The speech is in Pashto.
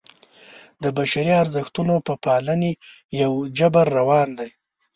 د بشري ارزښتونو په پالنې یو جبر روان دی.